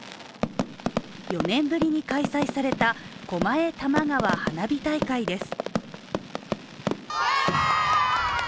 ４年ぶりに開催された狛江・多摩川花火大会です。